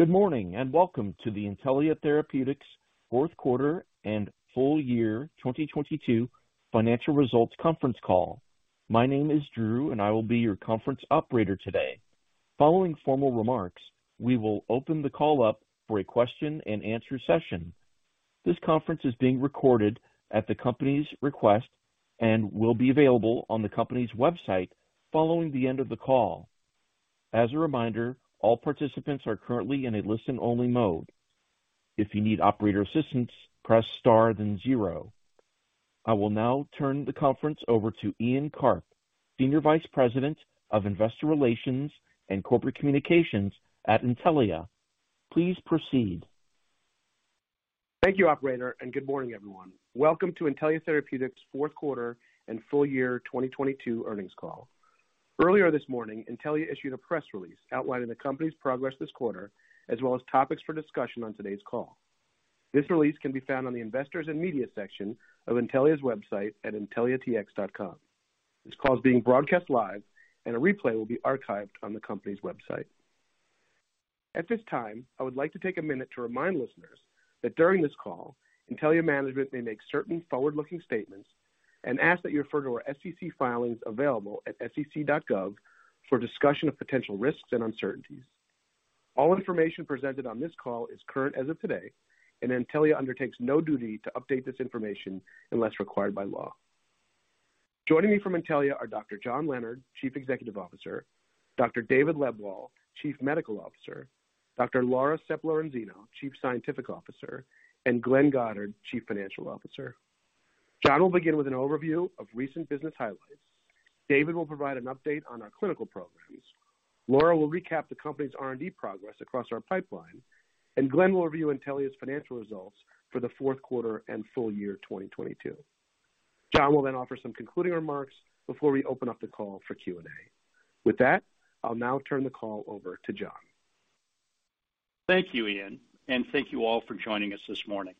Good morning, welcome to the Intellia Therapeutics fourth quarter and full year 2022 financial results conference call. My name is Drew and I will be your conference operator today. Following formal remarks, we will open the call up for a question-and-answer session. This conference is being recorded at the company's request and will be available on the company's website following the end of the call. As a reminder, all participants are currently in a listen-only mode. If you need operator assistance, press star than zero. I will now turn the conference over to Ian Karp, Senior Vice President of Investor Relations and Corporate Communications at Intellia. Please proceed. Thank you, Operator. Good morning, everyone. Welcome to Intellia Therapeutics fourth quarter and full year 2022 earnings call. Earlier this morning, Intellia issued a press release outlining the company's progress this quarter, as well as topics for discussion on today's call. This release can be found on the Investors and Media section of Intellia's website at intelliatx.com. This call is being broadcast live. A replay will be archived on the company's website. At this time, I would like to take a minute to remind listeners that during this call, Intellia management may make certain forward-looking statements and ask that you refer to our SEC filings available at sec.gov for discussion of potential risks and uncertainties. All information presented on this call is current as of today. Intellia undertakes no duty to update this information unless required by law. Joining me from Intellia are Dr. John Leonard, Chief Executive Officer, Dr. David Lebwohl, Chief Medical Officer, Dr. Laura Sepp-Lorenzino, Chief Scientific Officer, and Glenn Goddard, Chief Financial Officer. John will begin with an overview of recent business highlights. David will provide an update on our clinical programs. Laura will recap the company's R&D progress across our pipeline. Glenn will review Intellia's financial results for the fourth quarter and full year 2022. John will then offer some concluding remarks before we open up the call for Q&A. With that, I'll now turn the call over to John. Thank you, Ian, and thank you all for joining us this morning.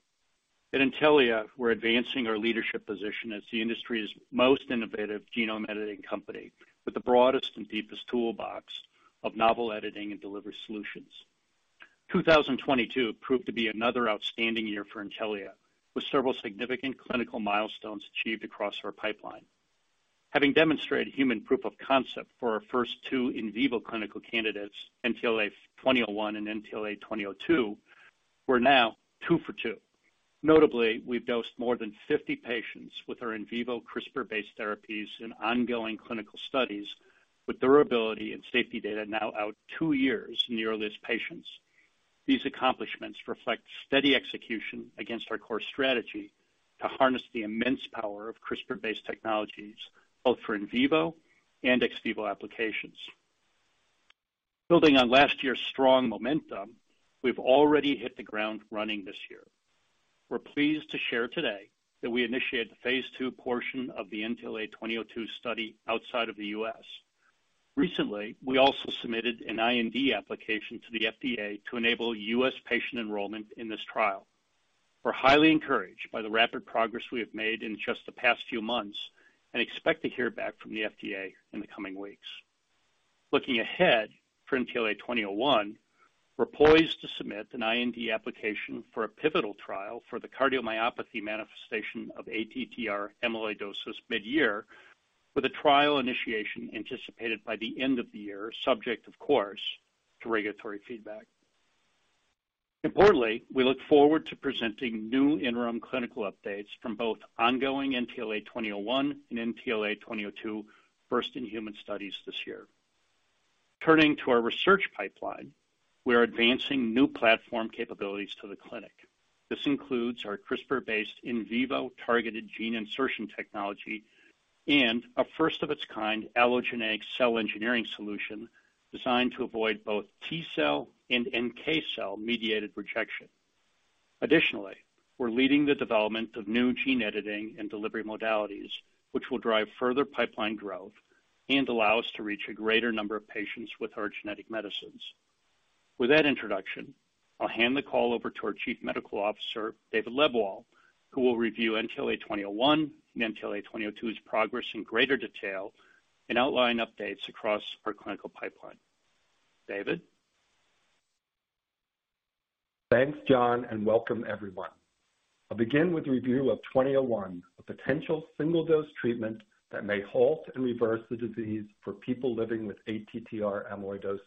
At Intellia, we're advancing our leadership position as the industry's most innovative genome editing company with the broadest and deepest toolbox of novel editing and delivery solutions. 2022 proved to be another outstanding year for Intellia, with several significant clinical milestones achieved across our pipeline. Having demonstrated human proof of concept for our first two in vivo clinical candidates, NTLA-2001 and NTLA-2002, we're now two for two. Notably, we've dosed more than 50 patients with our in vivo CRISPR-based therapies in ongoing clinical studies with durability and safety data now out two years in the earliest patients. These accomplishments reflect steady execution against our core strategy to harness the immense power of CRISPR-based technologies, both for in vivo and ex vivo applications. Building on last year's strong momentum, we've already hit the ground running this year. We're pleased to share today that we initiated the phase II portion of the NTLA-2002 study outside of the U.S. Recently, we also submitted an IND application to the FDA to enable U.S. patient enrollment in this trial. We're highly encouraged by the rapid progress we have made in just the past few months and expect to hear back from the FDA in the coming weeks. Looking ahead, for NTLA-2001, we're poised to submit an IND application for a pivotal trial for the cardiomyopathy manifestation of ATTR amyloidosis mid-year, with a trial initiation anticipated by the end of the year, subject of course to regulatory feedback. Importantly, we look forward to presenting new interim clinical updates from both ongoing NTLA-2001 and NTLA-2002 first-in-human studies this year. Turning to our research pipeline, we are advancing new platform capabilities to the clinic. This includes our CRISPR-based in vivo targeted gene insertion technology and a first of its kind allogeneic cell engineering solution designed to avoid both T-cell and NK cell mediated rejection. Additionally, we're leading the development of new gene editing and delivery modalities, which will drive further pipeline growth and allow us to reach a greater number of patients with our genetic medicines. With that introduction, I'll hand the call over to our Chief Medical Officer, David Lebwohl, who will review NTLA-2001 and NTLA-2002's progress in greater detail and outline updates across our clinical pipeline. David? Thanks, John, and welcome everyone. I'll begin with a review of 2001, a potential single-dose treatment that may halt and reverse the disease for people living with ATTR amyloidosis.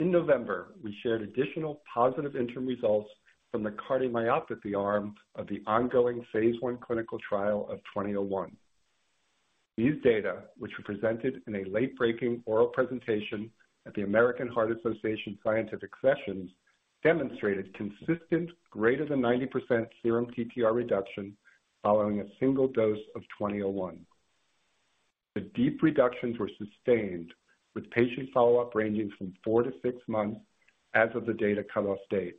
In November, we shared additional positive interim results from the cardiomyopathy arm of the ongoing phase I clinical trial of 2001. These data, which were presented in a late-breaking oral presentation at the American Heart Association Scientific Sessions, demonstrated consistent greater than 90% serum TTR reduction following a single dose of 2001. The deep reductions were sustained with patient follow-up ranging from four to six months as of the data cut-off date.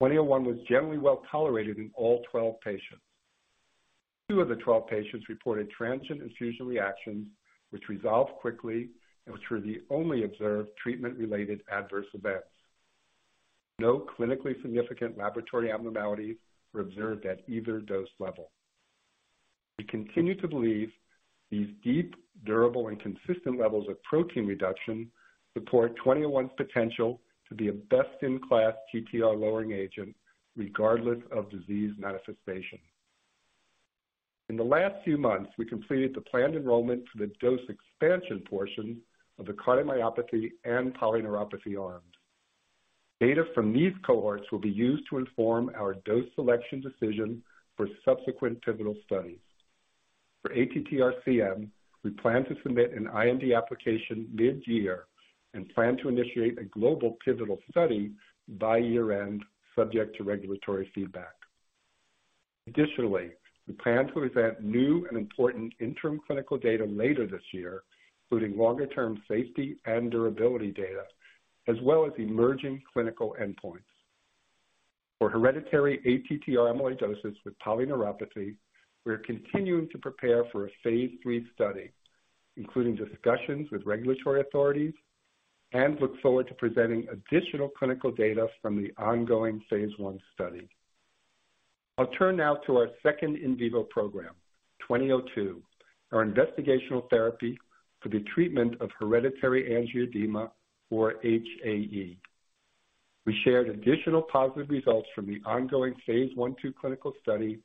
2001 was generally well tolerated in all 12 patients. Two of the 12 patients reported transient infusion reactions which resolved quickly and which were the only observed treatment-related adverse events. No clinically significant laboratory abnormalities were observed at either dose level. We continue to believe these deep, durable, and consistent levels of protein reduction support NTLA-2001's potential to be a best-in-class TTR lowering agent regardless of disease manifestation. In the last few months, we completed the planned enrollment for the dose expansion portion of the cardiomyopathy and polyneuropathy arms. Data from these cohorts will be used to inform our dose selection decision for subsequent pivotal studies. For ATTR-CM, we plan to submit an IND application mid-year and plan to initiate a global pivotal study by year-end, subject to regulatory feedback. We plan to present new and important interim clinical data later this year, including longer-term safety and durability data, as well as emerging clinical endpoints. For hereditary ATTR amyloidosis with polyneuropathy, we are continuing to prepare for a phase III study, including discussions with regulatory authorities, and look forward to presenting additional clinical data from the ongoing phase I study. I'll turn now to our second in vivo program, NTLA-2002, our investigational therapy for the treatment of hereditary angioedema, or HAE. We shared additional positive results from the ongoing phase one/two clinical study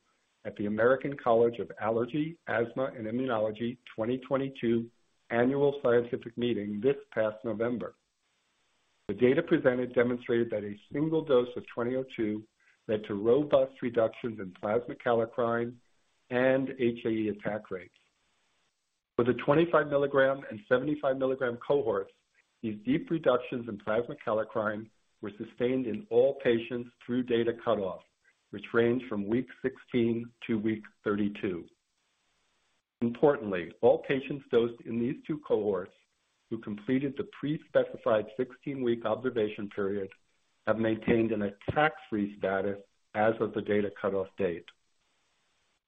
at the American College of Allergy, Asthma and Immunology 2022 annual scientific meeting this past November. The data presented demonstrated that a single dose of NTLA-2002 led to robust reductions in plasma kallikrein and HAE attack rates. For the 25 milligram and 75 milligram cohorts, these deep reductions in plasma kallikrein were sustained in all patients through data cut-off, which ranged from week 16 to week 32. Importantly, all patients dosed in these two cohorts who completed the pre-specified 16-week observation period have maintained an attack-free status as of the data cut-off date.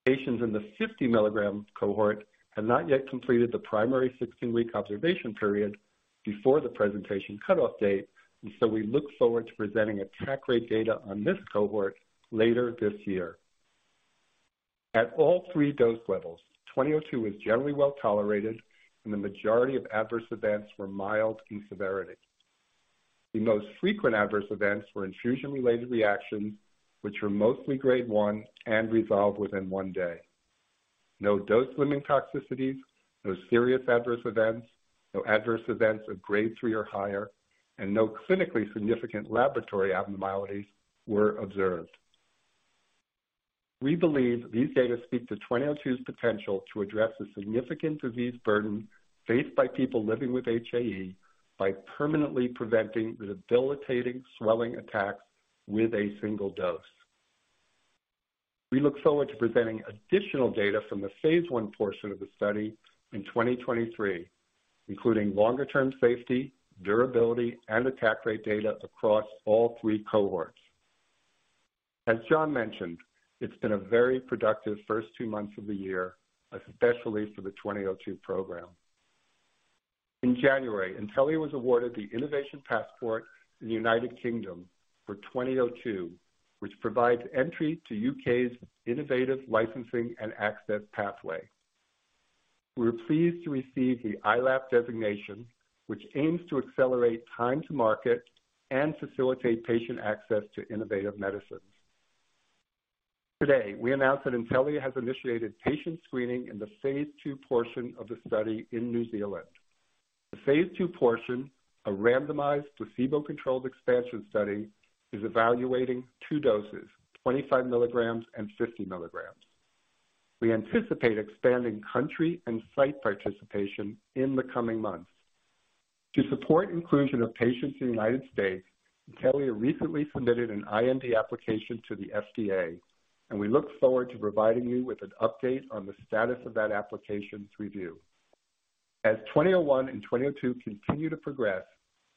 Patients in the 50 milligram cohort have not yet completed the primary 16-week observation period before the presentation cut-off date, and so we look forward to presenting attack rate data on this cohort later this year. At all three dose levels, NTLA-2002 was generally well-tolerated, and the majority of adverse events were mild in severity. The most frequent adverse events were infusion-related reactions, which were mostly Grade one and resolved within one day. No dose-limiting toxicities, no serious adverse events, no adverse events of Grade three or higher, and no clinically significant laboratory abnormalities were observed. We believe these data speak to NTLA-2002's potential to address the significant disease burden faced by people living with HAE by permanently preventing the debilitating swelling attacks with a single dose. We look forward to presenting additional data from the phase I portion of the study in 2023, including longer-term safety, durability, and attack rate data across all three cohorts. As John mentioned, it's been a very productive first two months of the year, especially for the NTLA-2002 program. In January, Intellia was awarded the Innovation Passport in the United Kingdom for NTLA-2002, which provides entry to U.K.'s Innovative Licensing and Access Pathway. We were pleased to receive the ILAP designation, which aims to accelerate time to market and facilitate patient access to innovative medicines. Today, we announced that Intellia has initiated patient screening in the phase II portion of the study in New Zealand. The phase II portion, a randomized placebo-controlled expansion study, is evaluating two doses, 25 milligrams and 50 milligrams. We anticipate expanding country and site participation in the coming months. To support inclusion of patients in the United States, Intellia recently submitted an IND application to the FDA. We look forward to providing you with an update on the status of that application's review. As NTLA-2001 and NTLA-2002 continue to progress,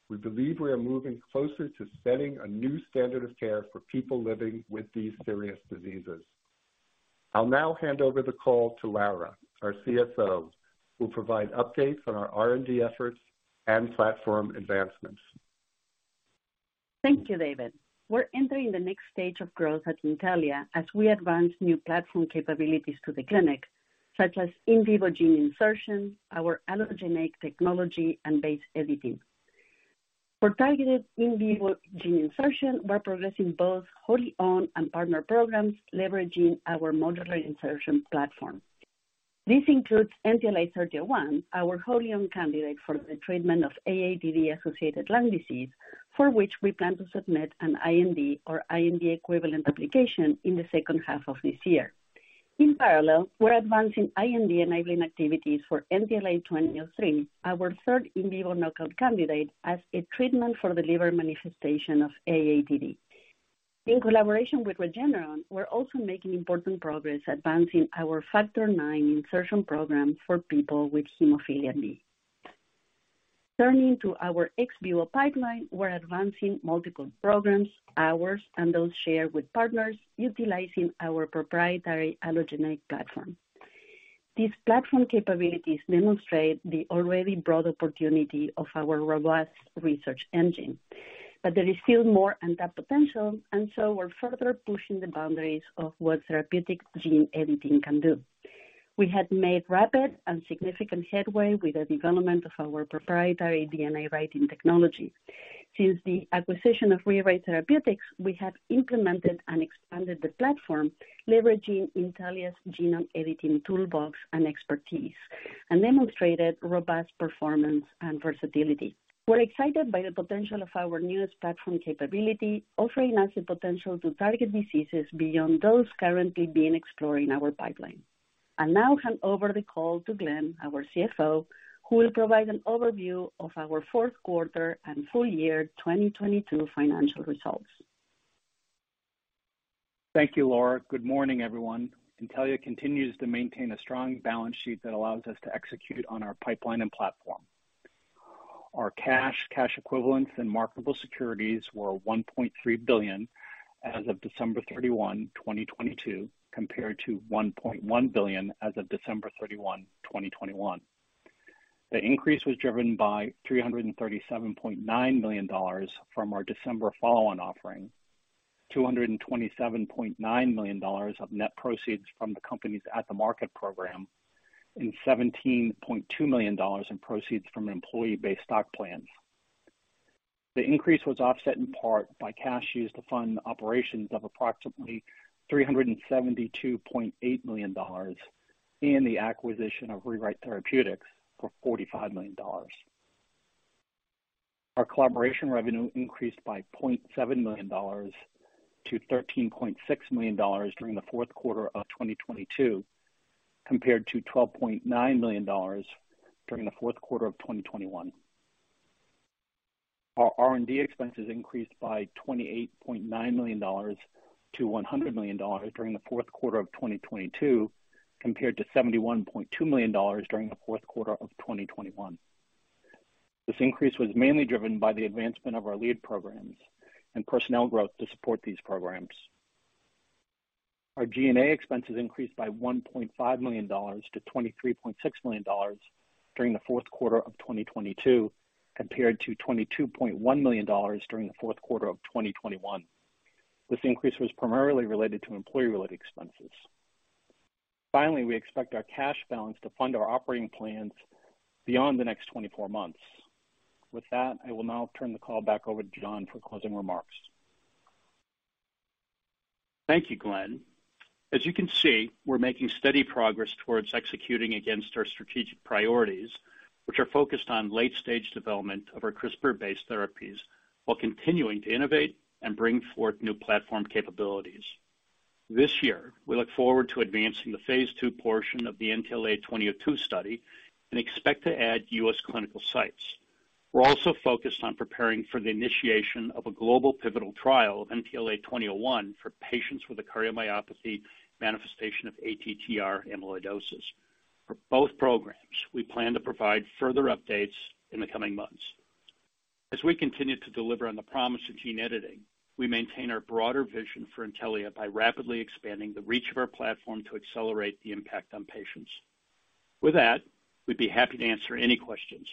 we believe we are moving closer to setting a new standard of care for people living with these serious diseases. I'll now hand over the call to Laura, our CSO, who will provide updates on our R&D efforts and platform advancements. Thank you, David. We're entering the next stage of growth at Intellia as we advance new platform capabilities to the clinic, such as in vivo gene insertion, our allogeneic technology, and base editing. For targeted in vivo gene insertion, we're progressing both wholly owned and partner programs leveraging our modular insertion platform. This includes NTLA-3001, our wholly owned candidate for the treatment of AATD-associated lung disease, for which we plan to submit an IND or IND equivalent application in the second half of this year. In parallel, we're advancing IND-enabling activities for NTLA-2003, our third in vivo knockout candidate as a treatment for the liver manifestation of AATD. In collaboration with Regeneron, we're also making important progress advancing our Factor IX insertion program for people with hemophilia B. Turning to our ex vivo pipeline, we're advancing multiple programs, ours and those shared with partners, utilizing our proprietary allogeneic platform. These platform capabilities demonstrate the already broad opportunity of our robust research engine. There is still more untapped potential, and so we're further pushing the boundaries of what therapeutic gene editing can do. We have made rapid and significant headway with the development of our proprietary DNA-writing technology. Since the acquisition of Rewrite Therapeutics, we have implemented and expanded the platform, leveraging Intellia's genome editing toolbox and expertise, and demonstrated robust performance and versatility. We're excited by the potential of our newest platform capability, offering us the potential to target diseases beyond those currently being explored in our pipeline. I now hand over the call to Glenn, our CFO, who will provide an overview of our fourth quarter and full year 2022 financial results. Thank you, Laura. Good morning, everyone. Intellia continues to maintain a strong balance sheet that allows us to execute on our pipeline and platform. Our cash equivalents, and marketable securities were $1.3 billion as of December 31, 2022, compared to $1.1 billion as of December 31, 2021. The increase was driven by $337.9 million from our December follow-on offering, $227.9 million of net proceeds from the company's at-the-market program, and $17.2 million in proceeds from employee-based stock plans. The increase was offset in part by cash used to fund operations of approximately $372.8 million and the acquisition of Rewrite Therapeutics for $45 million. Our collaboration revenue increased by $0.7 million-$13.6 million during the fourth quarter of 2022, compared to $12.9 million during the fourth quarter of 2021. Our R&D expenses increased by $28.9 million-$100 million during the fourth quarter of 2022, compared to $71.2 million during the fourth quarter of 2021. This increase was mainly driven by the advancement of our lead programs and personnel growth to support these programs. Our G&A expenses increased by $1.5 million-$23.6 million during the fourth quarter of 2022, compared to $22.1 million during the fourth quarter of 2021. This increase was primarily related to employee-related expenses. Finally, we expect our cash balance to fund our operating plans beyond the next 24 months. With that, I will now turn the call back over to John for closing remarks. Thank you, Glenn. As you can see, we're making steady progress towards executing against our strategic priorities, which are focused on late-stage development of our CRISPR-based therapies while continuing to innovate and bring forth new platform capabilities. This year, we look forward to advancing the phase II portion of the NTLA-2002 study and expect to add U.S. clinical sites. We're also focused on preparing for the initiation of a global pivotal trial of NTLA-2001 for patients with a cardiomyopathy manifestation of ATTR amyloidosis. For both programs, we plan to provide further updates in the coming months. As we continue to deliver on the promise of gene editing, we maintain our broader vision for Intellia by rapidly expanding the reach of our platform to accelerate the impact on patients. With that, we'd be happy to answer any questions.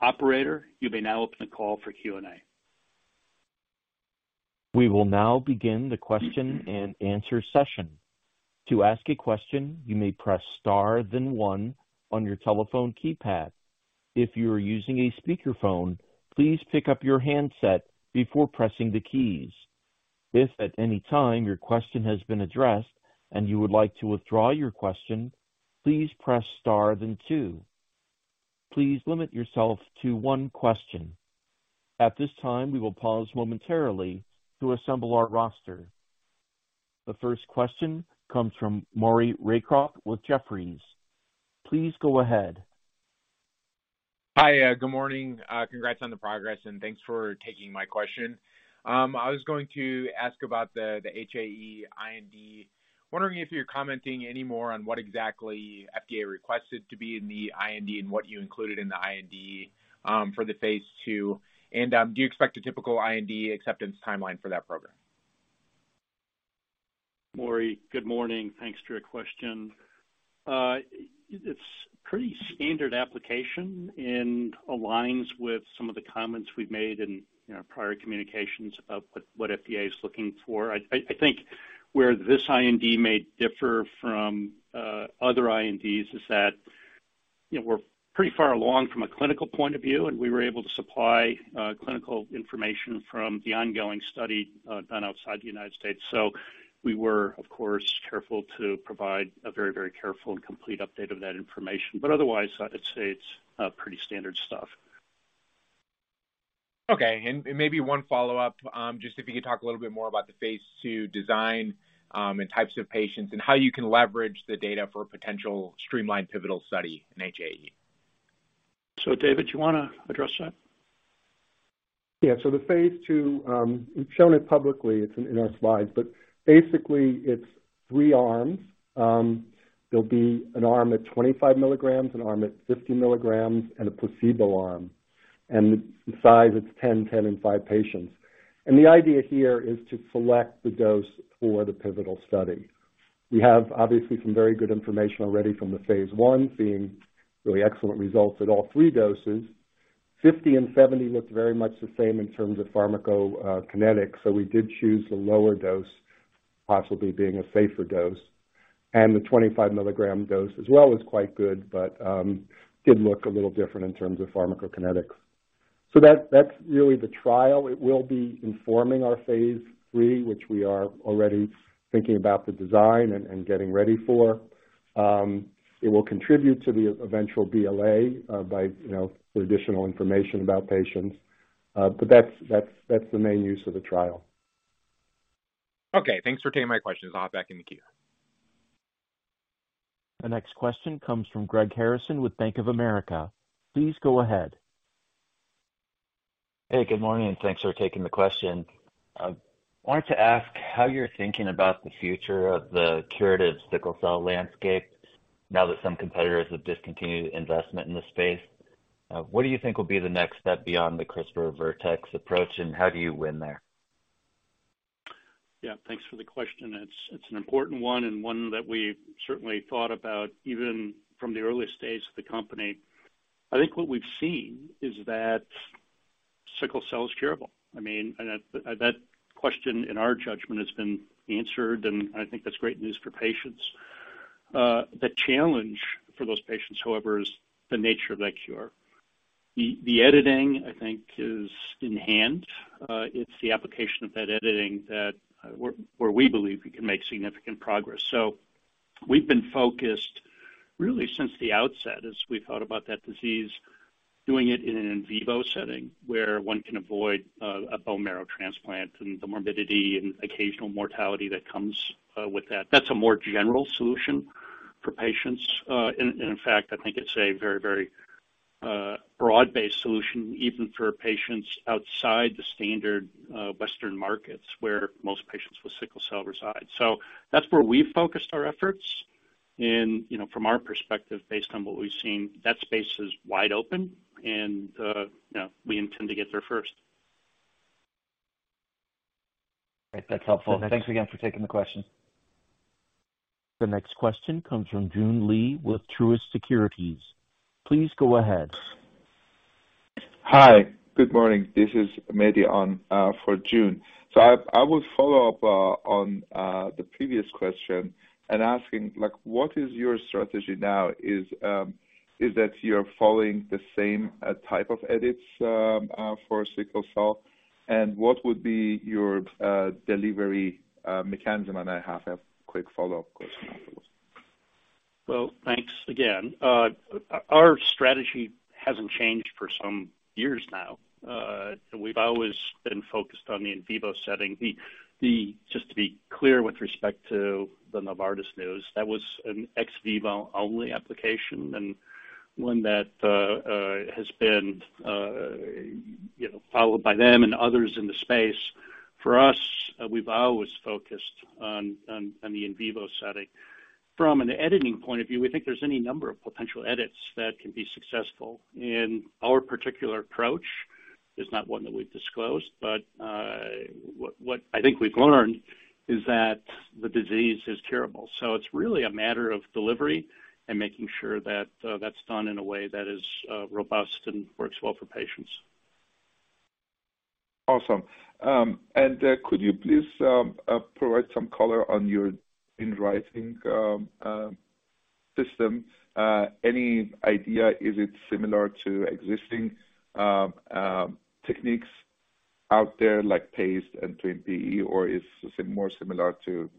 Operator, you may now open the call for Q&A. We will now begin the question-and-answer session. To ask a question, you may press star then one on your telephone keypad. If you are using a speakerphone, please pick up your handset before pressing the keys. If at any time your question has been addressed and you would like to withdraw your question, please press star then two. Please limit yourself to one question. At this time, we will pause momentarily to assemble our roster. The first question comes from Maury Raycroft with Jefferies. Please go ahead. Hi. Good morning. Congrats on the progress, and thanks for taking my question. I was going to ask about the HAE IND. Wondering if you're commenting any more on what exactly FDA requested to be in the IND and what you included in the IND for the phase II. Do you expect a typical IND acceptance timeline for that program? Maury, good morning. Thanks for your question. It's pretty standard application and aligns with some of the comments we've made in, you know, prior communications about what FDA is looking for. I think where this IND may differ from other INDs is that, you know, we're pretty far along from a clinical point of view, and we were able to supply clinical information from the ongoing study done outside the United States. We were, of course, careful to provide a very careful and complete update of that information. Otherwise, I'd say it's pretty standard stuff. Okay. Maybe one follow-up, just if you could talk a little bit more about the phase II design, and types of patients and how you can leverage the data for a potential streamlined pivotal study in HAE. David, you wanna address that? Yeah. The phase II, we've shown it publicly, it's in our slides, but basically it's three arms. There'll be an arm at 25 milligrams, an arm at 50 milligrams, and a placebo arm. The size, it's 10, and five patients. The idea here is to select the dose for the pivotal study. We have, obviously, some very good information already from the phase I, seeing really excellent results at all three doses. 50 and 75 looked very much the same in terms of pharmacokinetics, so we did choose the lower dose possibly being a safer dose. The 25 milligram dose as well was quite good but did look a little different in terms of pharmacokinetics. That's really the trial. It will be informing our phase III, which we are already thinking about the design and getting ready for. It will contribute to the eventual BLA, by, you know, for additional information about patients. But that's the main use of the trial. Okay, thanks for taking my questions. I'll hop back in the queue. The next question comes from Greg Harrison with Bank of America. Please go ahead. Hey, good morning, and thanks for taking the question. Wanted to ask how you're thinking about the future of the curative sickle cell landscape now that some competitors have discontinued investment in the space. What do you think will be the next step beyond the CRISPR-Vertex approach, and how do you win there? Yeah, thanks for the question. It's an important one and one that we certainly thought about even from the earliest days of the company. I think what we've seen is that sickle cell is curable. I mean, and that question, in our judgment, has been answered, and I think that's great news for patients. The challenge for those patients, however, is the nature of that cure. The editing, I think, is enhanced. It's the application of that editing that where we believe we can make significant progress. We've been focused really since the outset as we thought about that disease, doing it in an in vivo setting where one can avoid a bone marrow transplant and the morbidity and occasional mortality that comes with that. That's a more general solution for patients. And in fact, I think it's a very, very broad-based solution, even for patients outside the standard Western markets where most patients with sickle cell reside. That's where we've focused our efforts. You know, from our perspective, based on what we've seen, that space is wide open and, you know, we intend to get there first. That's helpful. Okay. Thanks again for taking the question. The next question comes from Joon Lee with Truist Securities. Please go ahead. Hi. Good morning. This is Mahdi on for Joon Lee. I will follow up on the previous question and asking, like, what is your strategy now? Is that you're following the same type of edits for sickle cell? What would be your delivery mechanism? I have a quick follow-up question afterwards. Well, thanks again. Our strategy hasn't changed for some years now. We've always been focused on the in vivo setting. Just to be clear with respect to the Novartis news, that was an ex vivo only application and one that has been, you know, followed by them and others in the space. For us, we've always focused on the in vivo setting. From an editing point of view, we think there's any number of potential edits that can be successful. Our particular approach is not one that we've disclosed, but what I think we've learned is that the disease is curable. It's really a matter of delivery and making sure that that's done in a way that is robust and works well for patients. Awesome. Could you please provide some color on your in writing system? Any idea, is it similar to existing techniques out there like PEs and twinPE, or is it more similar to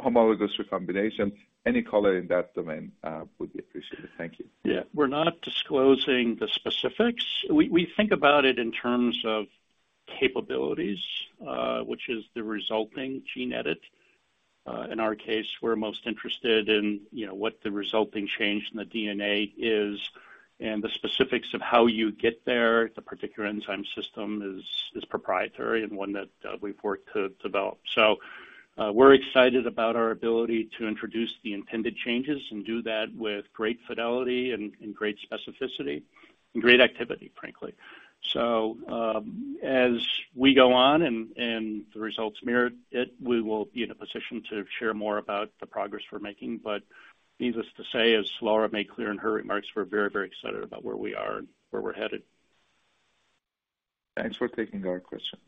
homologous recombination? Any color in that domain would be appreciated. Thank you. Yeah. We're not disclosing the specifics. We think about it in terms of capabilities, which is the resulting gene edit. In our case, we're most interested in, you know, what the resulting change in the DNA is and the specifics of how you get there. The particular enzyme system is proprietary and one that we've worked to develop. We're excited about our ability to introduce the intended changes and do that with great fidelity and great specificity and great activity, frankly. As we go on and the results mirror it, we will be in a position to share more about the progress we're making. Needless to say, as Laura made clear in her remarks, we're very, very excited about where we are and where we're headed. Thanks for taking our questions.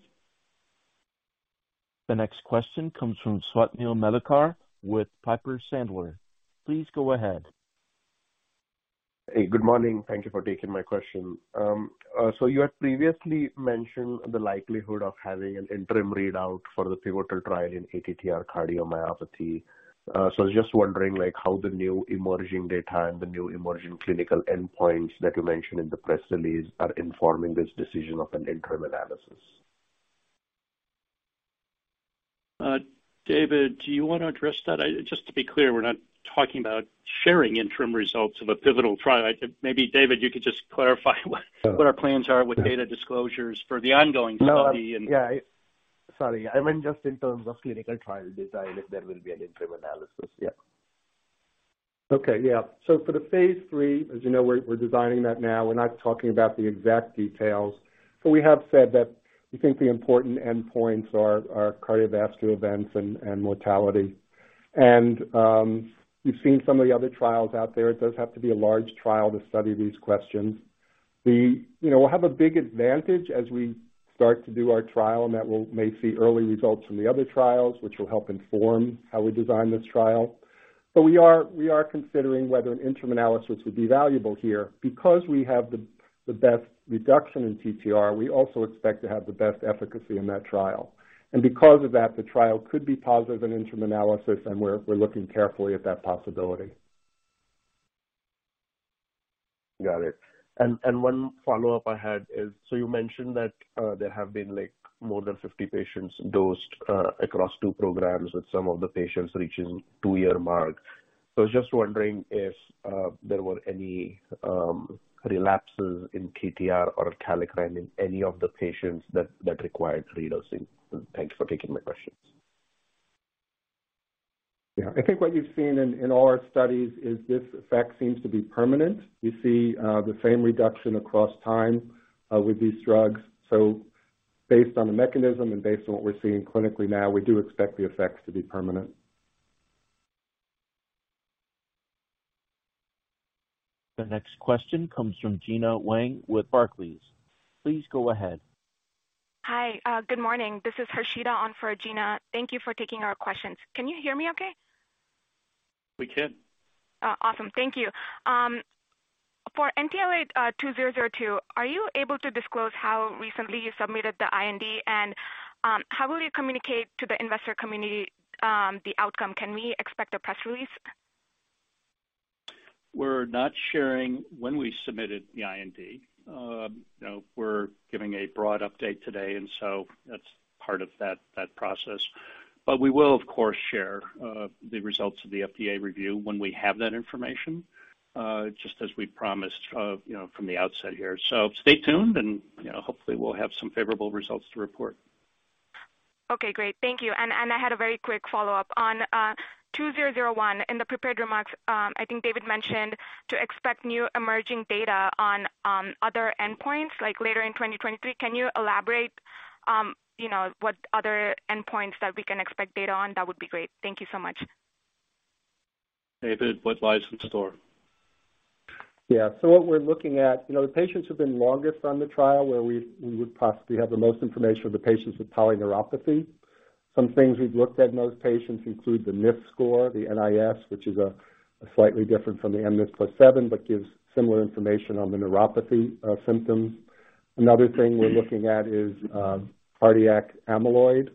The next question comes from Swapnil Medhekar with Piper Sandler. Please go ahead. Hey, good morning. Thank you for taking my question. You had previously mentioned the likelihood of having an interim readout for the pivotal trial in ATTR cardiomyopathy. Just wondering, like, how the new emerging data and the new emerging clinical endpoints that you mentioned in the press release are informing this decision of an interim analysis? David, do you wanna address that? Just to be clear, we're not talking about sharing interim results of a pivotal trial. I think maybe, David, you could just clarify what. Sure. what our plans are with data disclosures for the ongoing study and. No. Yeah. Sorry. I meant just in terms of clinical trial design, if there will be an interim analysis. Yeah. Okay. Yeah. For the phase III, as you know, we're designing that now. We're not talking about the exact details, but we have said that we think the important endpoints are cardiovascular events and mortality. You've seen some of the other trials out there. It does have to be a large trial to study these questions. We, you know, we'll have a big advantage as we start to do our trial, and that will may see early results from the other trials, which will help inform how we design this trial. We are considering whether an interim analysis would be valuable here. Because we have the best reduction in TTR, we also expect to have the best efficacy in that trial. Because of that, the trial could be positive in interim analysis, and we're looking carefully at that possibility. Got it. One follow-up I had is, you mentioned that there have been like, more than 50 patients dosed across two programs, with some of the patients reaching two-year mark. I was just wondering if there were any relapses in TTR or kallikrein in any of the patients that required redosing. Thanks for taking my questions. Yeah. I think what you've seen in our studies is this effect seems to be permanent. We see the same reduction across time with these drugs. Based on the mechanism and based on what we're seeing clinically now, we do expect the effects to be permanent. The next question comes from Gena Wang with Barclays. Please go ahead. Hi, good morning. This is Hashida on for Gina. Thank you for taking our questions. Can you hear me okay? We can. Awesome. Thank you. For NTLA-2002, are you able to disclose how recently you submitted the IND? How will you communicate to the investor community the outcome? Can we expect a press release? We're not sharing when we submitted the IND. you know, we're giving a broad update today, and so that's part of that process. We will, of course, share the results of the FDA review when we have that information, just as we promised, you know, from the outset here. Stay tuned and, you know, hopefully we'll have some favorable results to report. Okay, great. Thank you. I had a very quick follow-up. On NTLA-2001, in the prepared remarks, I think David Lebwohl mentioned to expect new emerging data on other endpoints, like later in 2023. Can you elaborate, you know, what other endpoints that we can expect data on? That would be great. Thank you so much. David, what lies in store? Yeah. What we're looking at, you know, the patients who've been longest on the trial, where we would possibly have the most information are the patients with polyneuropathy. Some things we've looked at in those patients include the NIS score, the NIS, which is slightly different from the mNIS+7, but gives similar information on the neuropathy symptoms. Another thing we're looking at is cardiac amyloid.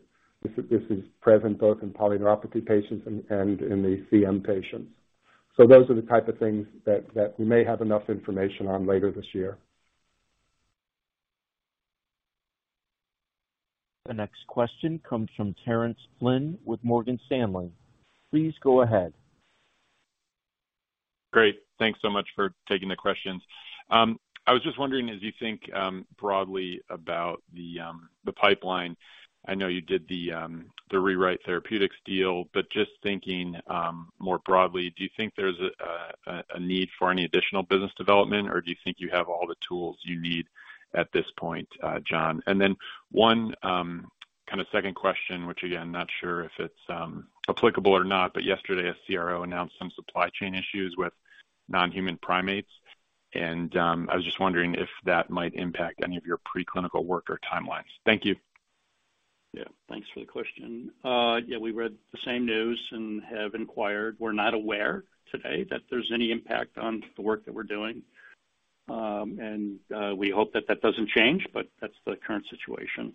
This is present both in polyneuropathy patients and in the CM patients. Those are the type of things that we may have enough information on later this year. The next question comes from Terence Flynn with Morgan Stanley. Please go ahead. Great. Thanks so much for taking the questions. I was just wondering, as you think broadly about the pipeline, I know you did the Rewrite Therapeutics deal, but just thinking more broadly, do you think there's a need for any additional business development, or do you think you have all the tools you need at this point, John? Then one kind of second question, which again, not sure if it's applicable or not, but yesterday, a CRO announced some supply chain issues with non-human primates. I was just wondering if that might impact any of your preclinical work or timelines. Thank you. Yeah. Thanks for the question. Yeah, we read the same news and have inquired. We're not aware today that there's any impact on the work that we're doing. We hope that that doesn't change, but that's the current situation.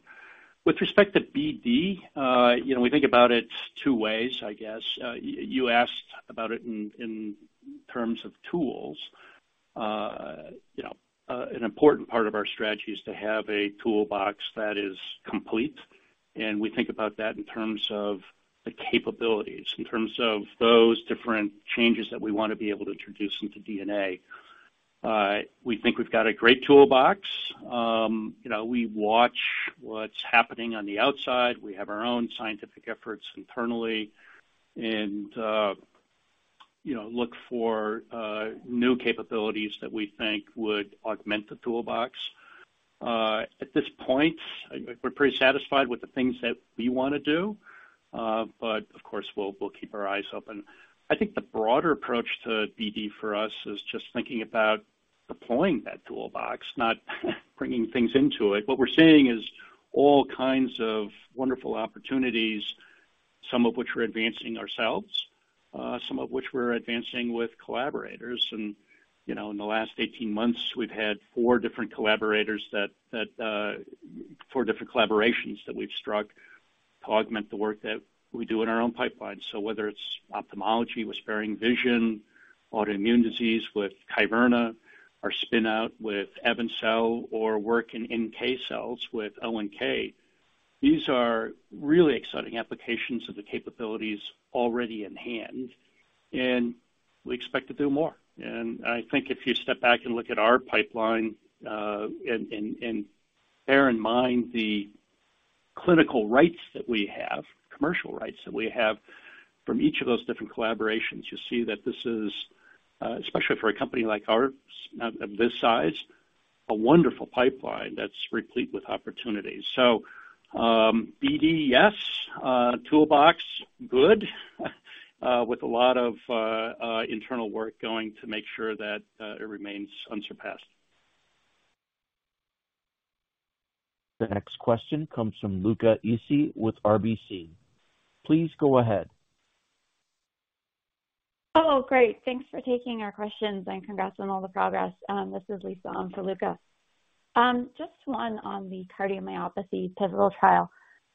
With respect to BD, you know, we think about it two ways, I guess. You asked about it in terms of tools. You know, an important part of our strategy is to have a toolbox that is complete, and we think about that in terms of the capabilities, in terms of those different changes that we wanna be able to introduce into DNA. We think we've got a great toolbox. You know, we watch what's happening on the outside. We have our own scientific efforts internally and, you know, look for new capabilities that we think would augment the toolbox. At this point, we're pretty satisfied with the things that we wanna do. Of course, we'll keep our eyes open. I think the broader approach to BD for us is just thinking about deploying that toolbox, not bringing things into it. What we're seeing is all kinds of wonderful opportunities, some of which we're advancing ourselves, some of which we're advancing with collaborators. You know, in the last 18 months, we've had four different collaborators that, four different collaborations that we've struck to augment the work that we do in our own pipeline. Whether it's ophthalmology with SparingVision, autoimmune disease with Kyverna, our spin out with AvenCell, or work in NK cells with ONK, these are really exciting applications of the capabilities already in hand, and we expect to do more. I think if you step back and look at our pipeline, and bear in mind the clinical rights that we have, commercial rights that we have from each of those different collaborations. You see that this is, especially for a company like ours of this size, a wonderful pipeline that's replete with opportunities. BD, yes, toolbox good, with a lot of internal work going to make sure that it remains unsurpassed. The next question comes from Luca Issi with RBC. Please go ahead. Oh, great. Thanks for taking our questions, congrats on all the progress. This is Lisa on for Luca. Just one on the cardiomyopathy pivotal trial.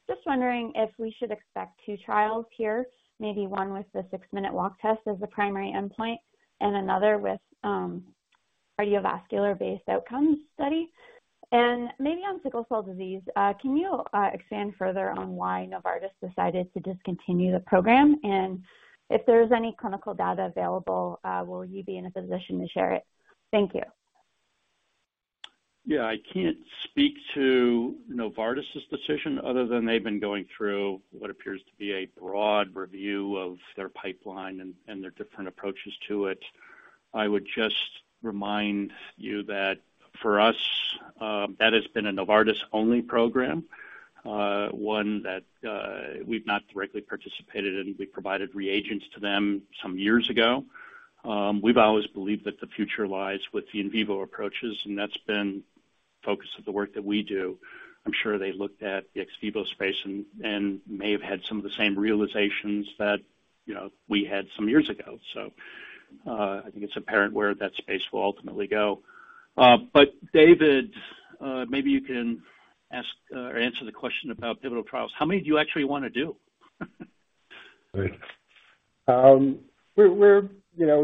Just wondering if we should expect two trials here, maybe one with the six-minute walk test as the primary endpoint and another with, cardiovascular-based outcome study. Maybe on sickle cell disease, can you expand further on why Novartis decided to discontinue the program? If there's any clinical data available, will you be in a position to share it? Thank you. Yeah. I can't speak to Novartis's decision other than they've been going through what appears to be a broad review of their pipeline and their different approaches to it. I would just remind you that for us, that has been a Novartis-only program, one that we've not directly participated in. We provided reagents to them some years ago. We've always believed that the future lies with the in vivo approaches, and that's been focus of the work that we do. I'm sure they looked at the ex vivo space and may have had some of the same realizations that, you know, we had some years ago. I think it's apparent where that space will ultimately go. David, maybe you can ask or answer the question about pivotal trials. How many do you actually wanna do? Right. you know,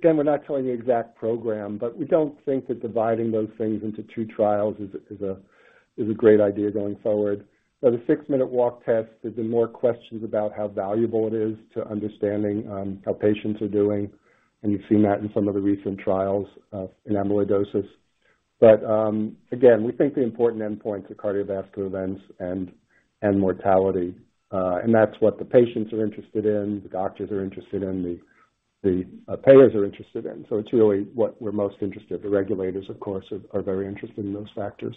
we're not telling the exact program, but we don't think that dividing those things into two trials is a great idea going forward. The six-minute walk test, there's been more questions about how valuable it is to understanding how patients are doing, and you've seen that in some of the recent trials of in amyloidosis. Again, we think the important endpoints are cardiovascular events and mortality. That's what the patients are interested in, the doctors are interested in, the payers are interested in. It's really what we're most interested. The regulators, of course, are very interested in those factors.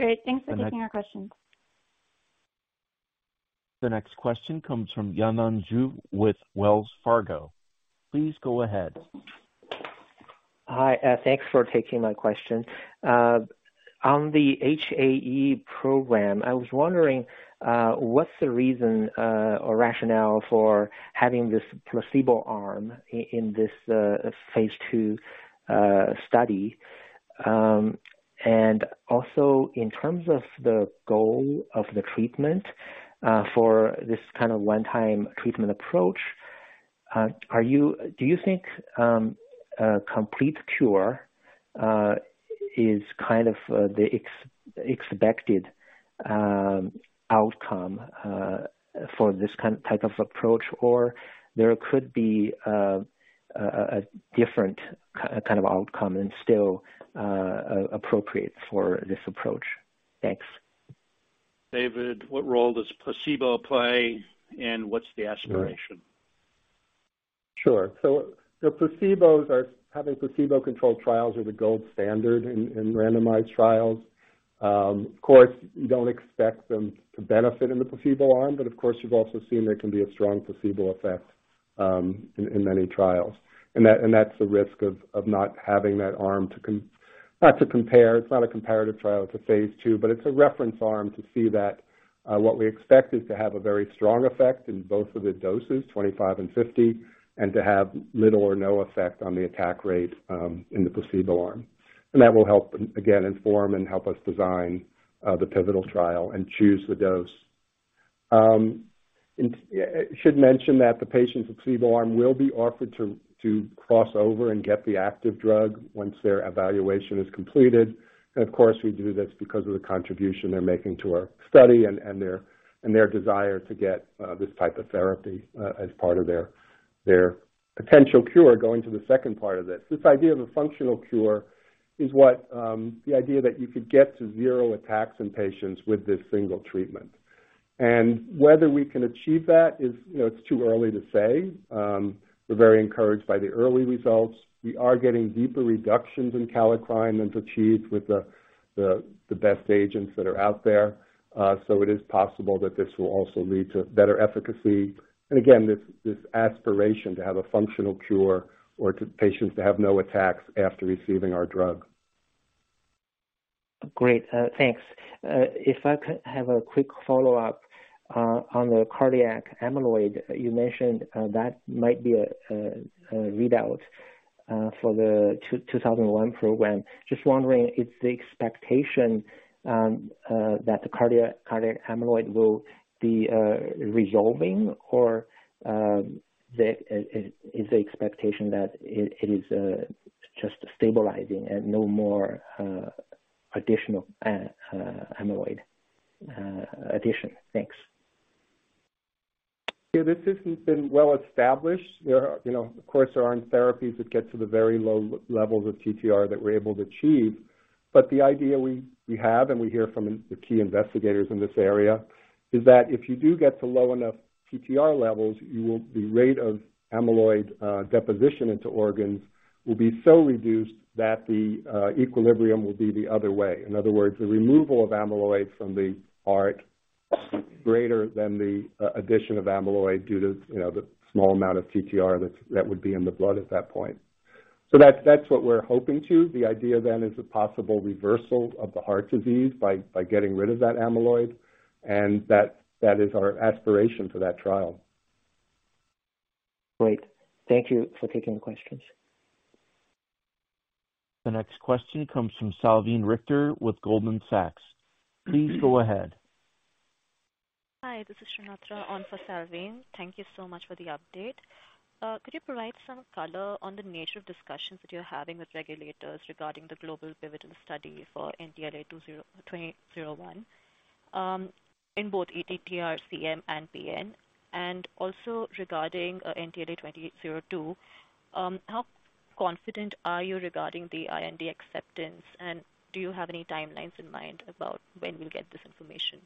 Great. Thanks for taking our question. The next question comes from Yanan Zhu with Wells Fargo. Please go ahead. Hi. Thanks for taking my question. On the HAE program, I was wondering, what's the reason or rationale for having this placebo arm in this phase two study? Also in terms of the goal of the treatment, for this kind of one-time treatment approach, do you think, a complete cure is kind of the expected outcome for this kind of type of approach or there could be a different kind of outcome and still appropriate for this approach? Thanks. David, what role does placebo play, and what's the aspiration? Sure. Having placebo-controlled trials are the gold standard in randomized trials. Of course, you don't expect them to benefit in the placebo arm, but of course, you've also seen there can be a strong placebo effect in many trials. That's the risk of not having that arm not to compare, it's not a comparative trial, it's a phase II, but it's a reference arm to see that what we expect is to have a very strong effect in both of the doses, 25 and 50, and to have little or no effect on the attack rate in the placebo arm. That will help, again, inform and help us design the pivotal trial and choose the dose. I should mention that the patients with placebo arm will be offered to cross over and get the active drug once their evaluation is completed. Of course, we do this because of the contribution they're making to our study and their desire to get this type of therapy as part of their potential cure, going to the second part of this. This idea of a functional cure is what the idea that you could get to zero attacks in patients with this single treatment. Whether we can achieve that is, you know, it's too early to say. We're very encouraged by the early results. We are getting deeper reductions in kallikrein than to achieve with the best agents that are out there. So it is possible that this will also lead to better efficacy. This aspiration to have a functional cure or to patients to have no attacks after receiving our drug. Great. Thanks. If I could have a quick follow-up on the cardiac amyloid you mentioned, that might be a readout for the 2001 program. Just wondering, is the expectation that the cardiac amyloid will be resolving or the expectation that it is just stabilizing and no more additional amyloid addition? Thanks. This hasn't been well established. There are, you know, of course, there aren't therapies that get to the very low levels of TTR that we're able to achieve. The idea we have and we hear from the key investigators in this area is that if you do get to low enough TTR levels, you will the rate of amyloid deposition into organs will be so reduced that the equilibrium will be the other way. In other words, the removal of amyloid from the heart greater than the addition of amyloid due to, you know, the small amount of TTR that would be in the blood at that point. That's what we're hoping to. The idea then is a possible reversal of the heart disease by getting rid of that amyloid, and that is our aspiration for that trial. Great. Thank you for taking the questions. The next question comes from Salveen Richter with Goldman Sachs. Please go ahead. Hi, this is Srinathra on for Salveen. Thank you so much for the update. Could you provide some color on the nature of discussions that you're having with regulators regarding the global pivotal study for NTLA-2001, in both ATTR-CM and ATTR-PN? Also regarding NTLA-2002, how confident are you regarding the IND acceptance, and do you have any timelines in mind about when we'll get this information?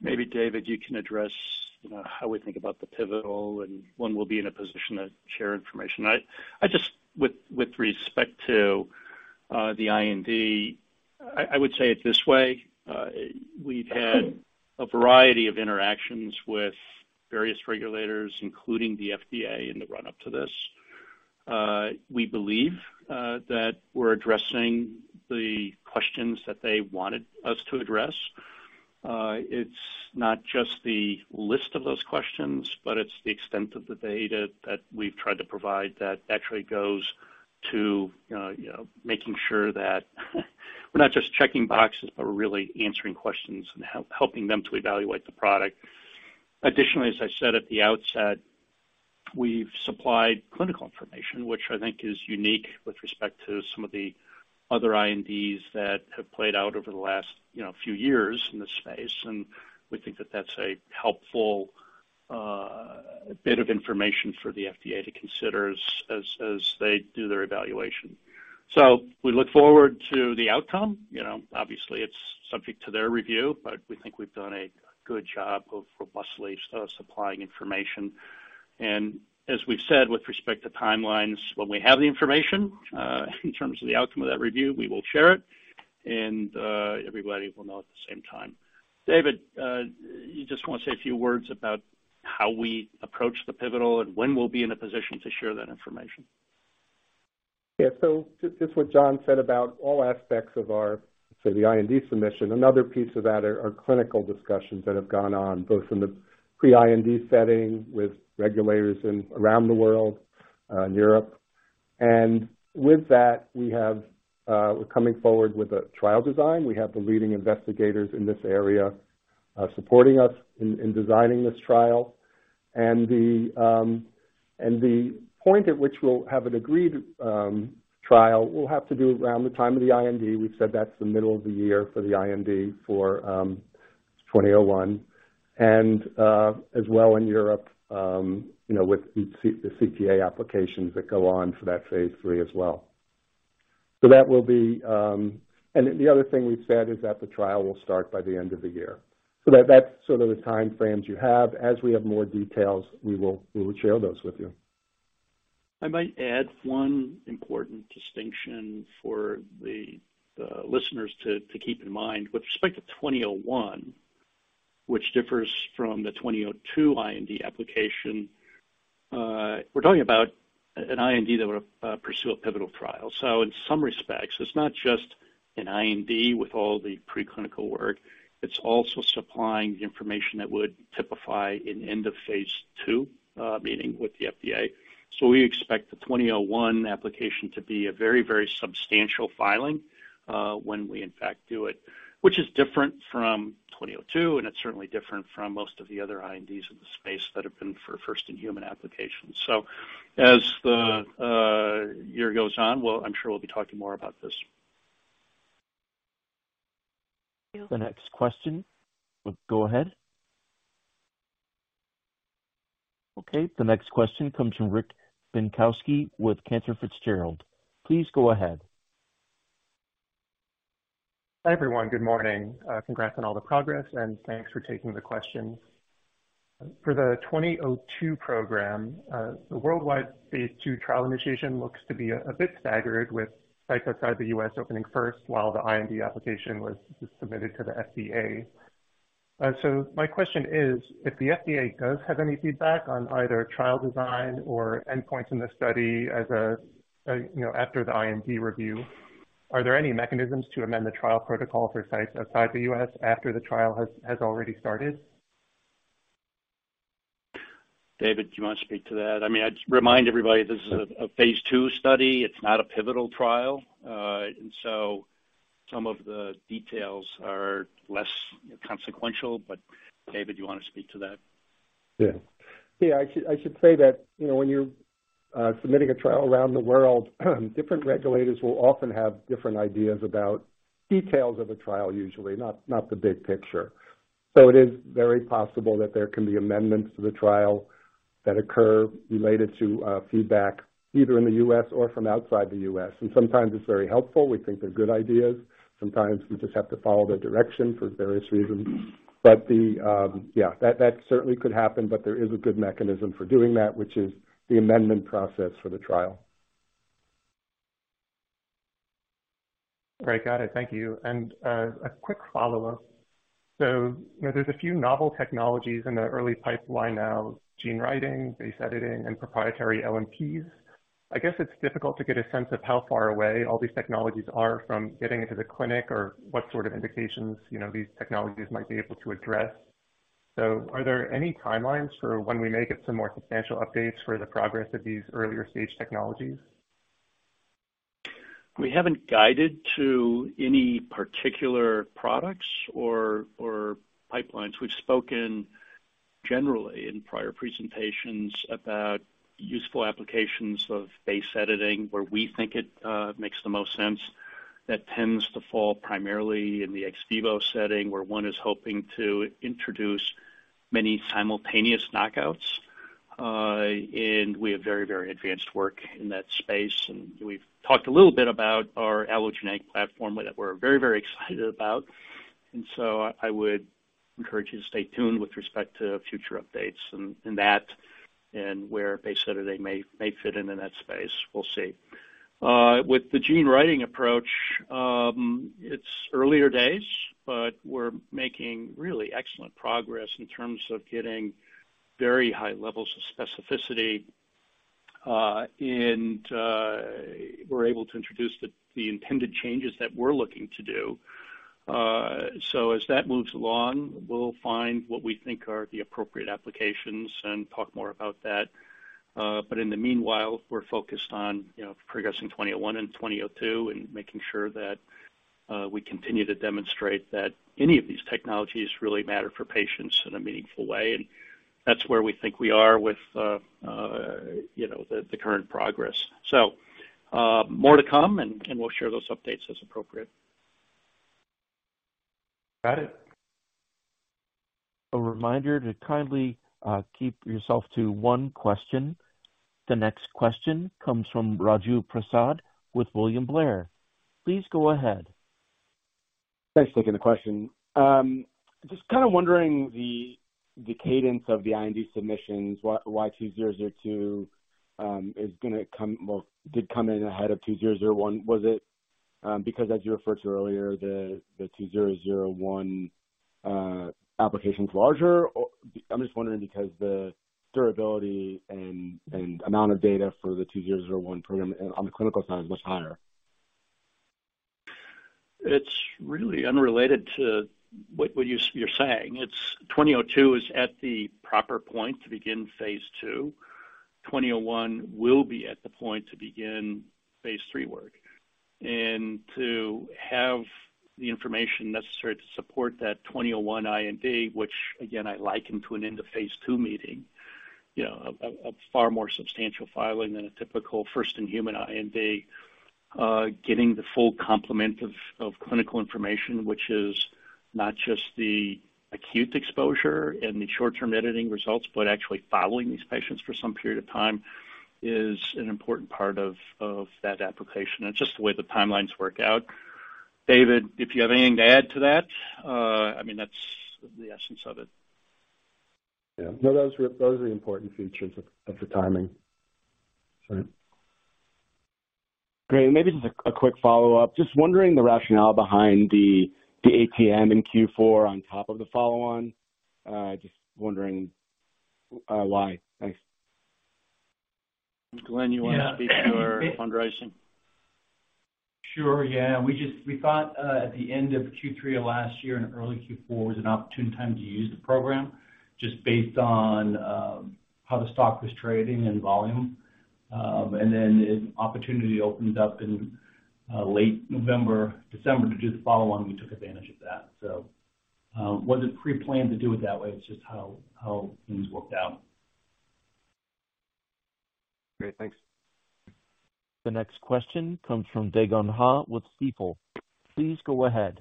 Maybe, David, you can address, you know, how we think about the pivotal and when we'll be in a position to share information. I just, with respect to the IND, I would say it this way. We've had a variety of interactions with various regulators, including the FDA, in the run-up to this. We believe that we're addressing the questions that they wanted us to address. It's not just the list of those questions, but it's the extent of the data that we've tried to provide that actually goes to, you know, making sure that we're not just checking boxes, but we're really answering questions and helping them to evaluate the product. Additionally, as I said at the outset, we've supplied clinical information, which I think is unique with respect to some of the other INDs that have played out over the last, you know, few years in this space. We think that that's a helpful bit of information for the FDA to consider as, as they do their evaluation. We look forward to the outcome. You know, obviously it's subject to their review, but we think we've done a good job of robustly supplying information. As we've said with respect to timelines, when we have the information, in terms of the outcome of that review, we will share it and, everybody will know at the same time. David, you just wanna say a few words about how we approach the pivotal and when we'll be in a position to share that information? Just what John said about all aspects of our, the IND submission. Another piece of that are clinical discussions that have gone on both in the pre-IND setting with regulators around the world, in Europe. With that, we have, we're coming forward with a trial design. We have the leading investigators in this area, supporting us in designing this trial. The point at which we'll have an agreed trial will have to do around the time of the IND. We've said that's the middle of the year for the IND for NTLA-2001. As well in Europe, you know, with the CTA applications that go on for that phase III as well. That will be. The other thing we've said is that the trial will start by the end of the year. That's sort of the time frames you have. As we have more details, we will share those with you. I might add one important distinction for the listeners to keep in mind. With respect to NTLA-2001, which differs from the NTLA-2002 IND application, we're talking about an IND that would pursue a pivotal trial. In some respects, it's not just an IND with all the preclinical work, it's also supplying the information that would typify an end of phase II meeting with the FDA. We expect the NTLA-2001 application to be a very, very substantial filing, when we in fact do it. Which is different from NTLA-2002, and it's certainly different from most of the other INDs in the space that have been for first in human applications. As the year goes on, I'm sure we'll be talking more about this. Thank you. The next question. Go ahead. Okay. The next question comes from Rick Bienkowski with Cantor Fitzgerald. Please go ahead. Hi, everyone. Good morning. Congrats on all the progress, and thanks for taking the questions. For the NTLA-2002 program, the worldwide phase II trial initiation looks to be a bit staggered with sites outside the U.S. opening first while the IND application is submitted to the FDA. My question is, if the FDA does have any feedback on either trial design or endpoints in the study as you know, after the IND review, are there any mechanisms to amend the trial protocol for sites outside the U.S. after the trial has already started? David, do you wanna speak to that? I mean, I'd remind everybody this is a phase II study. It's not a pivotal trial. Some of the details are less consequential. David, do you wanna speak to that? Yeah, I should say that, you know, when you're submitting a trial around the world, different regulators will often have different ideas about details of a trial, usually not the big picture. It is very possible that there can be amendments to the trial that occur related to feedback either in the U.S. or from outside the U.S. Sometimes it's very helpful. We think they're good ideas. Sometimes we just have to follow their direction for various reasons. Yeah, that certainly could happen. There is a good mechanism for doing that, which is the amendment process for the trial. All right. Got it. Thank you. A quick follow-up. There's a few novel technologies in the early pipeline now, gene writing, base editing, and proprietary LNPs. I guess it's difficult to get a sense of how far away all these technologies are from getting into the clinic or what sort of indications, you know, these technologies might be able to address. Are there any timelines for when we may get some more substantial updates for the progress of these earlier stage technologies? We haven't guided to any particular products or pipelines. We've spoken generally in prior presentations about useful applications of base editing, where we think it makes the most sense. That tends to fall primarily in the ex vivo setting, where one is hoping to introduce many simultaneous knockouts. We have very advanced work in that space, and we've talked a little bit about our allogeneic platform that we're very excited about. I would encourage you to stay tuned with respect to future updates and that and where base editing may fit into that space. We'll see. With the gene writing approach, it's earlier days, but we're making really excellent progress in terms of getting very high levels of specificity, and we're able to introduce the intended changes that we're looking to do. As that moves along, we'll find what we think are the appropriate applications and talk more about that. In the meanwhile, we're focused on, you know, progressing NTLA-2001 and NTLA-2002 and making sure that we continue to demonstrate that any of these technologies really matter for patients in a meaningful way. That's where we think we are with, you know, the current progress. More to come and we'll share those updates as appropriate. Got it. A reminder to kindly keep yourself to one question. The next question comes from Raju Prasad with William Blair. Please go ahead. Thanks for taking the question. Just kind of wondering the cadence of the IND submissions, why NTLA-2002, well, did come in ahead of NTLA-2001. Was it because, as you referred to earlier, the NTLA-2001 application's larger, or I'm just wondering because the durability and amount of data for the NTLA-2001 program on the clinical side is much higher? It's really unrelated to what you're saying. 2002 is at the proper point to begin phase II. 2001 will be at the point to begin phase III work and to have the information necessary to support that 2001 IND, which again, I liken to an end of phase II meeting, you know, a far more substantial filing than a typical first in human IND. Getting the full complement of clinical information, which is not just the acute exposure and the short-term editing results, but actually following these patients for some period of time is an important part of that application. It's just the way the timelines work out. David, if you have anything to add to that, I mean, that's the essence of it. Yeah. No, Those are the important features of the timing. Great. Maybe just a quick follow-up. Just wondering the rationale behind the ATM in Q4 on top of the follow-on. Just wondering why. Thanks. Glenn, you wanna speak to our fundraising? Sure, yeah. We thought at the end of Q3 of last year and early Q4 was an opportune time to use the program just based on how the stock was trading and volume. An opportunity opened up in late November, December to do the follow-on. We took advantage of that. Wasn't pre-planned to do it that way. It's just how things worked out. Great. Thanks. The next question comes from Dae Gon Ha with Stifel. Please go ahead.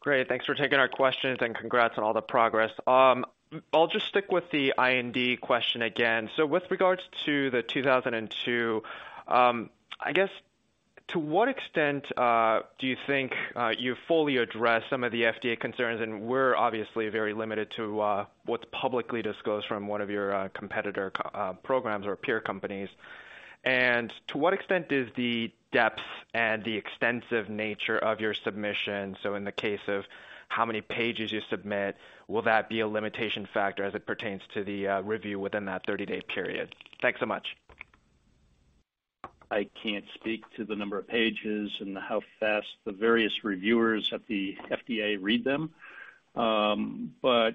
Great. Thanks for taking our questions and congrats on all the progress. I'll just stick with the IND question again. With regards to the 2002, I guess to what extent do you think you've fully addressed some of the FDA concerns? We're obviously very limited to what's publicly disclosed from one of your competitor programs or peer companies. To what extent is the depth and the extensive nature of your submission, so in the case of how many pages you submit, will that be a limitation factor as it pertains to the review within that 30-day period? Thanks so much. I can't speak to the number of pages and how fast the various reviewers at the FDA read them. That's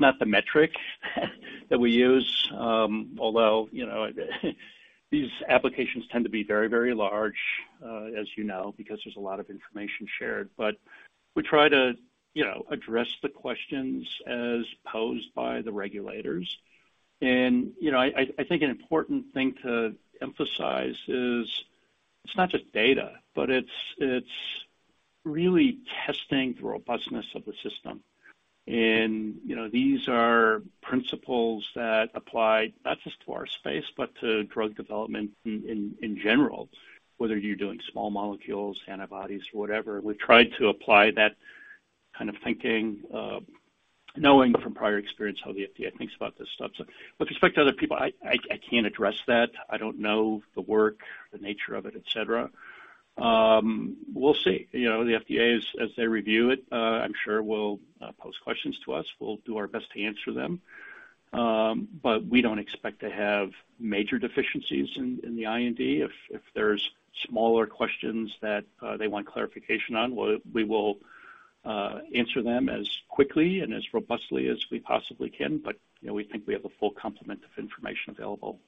not the metric. That we use, although, you know, these applications tend to be very, very large, as you know, because there's a lot of information shared. We try to, you know, address the questions as posed by the regulators. You know, I think an important thing to emphasize is it's not just data, but it's really testing the robustness of the system. You know, these are principles that apply not just to our space, but to drug development in general, whether you're doing small molecules, antibodies, whatever. We've tried to apply that kind of thinking, knowing from prior experience how the FDA thinks about this stuff. With respect to other people, I can't address that. I don't know the work, the nature of it, et cetera. We'll see. You know, the FDA, as they review it, I'm sure will pose questions to us. We'll do our best to answer them. We don't expect to have major deficiencies in the IND. If there's smaller questions that they want clarification on, we will answer them as quickly and as robustly as we possibly can. You know, we think we have a full complement of information available.